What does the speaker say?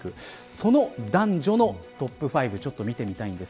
その男女のトップ５を見てみます。